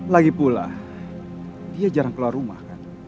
lagipula dia jarang keluar rumah kan